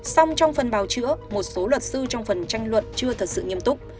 xong trong phần bào chữa một số luật sư trong phần tranh luận chưa thật sự nghiêm túc